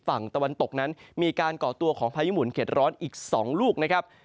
ฝั่งตะวันตกนั้นมีการก่อตัวของพายุหมุนเข็ดร้อนอีก๒ลูกนะครับ